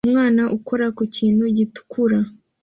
Umwana ukora ku kintu gitukura